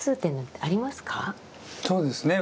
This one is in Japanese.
そうですね